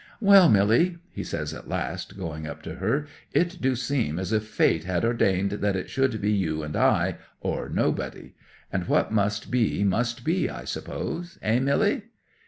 '"Well, Milly," he says at last, going up to her, "it do seem as if fate had ordained that it should be you and I, or nobody. And what must be must be, I suppose. Hey, Milly?"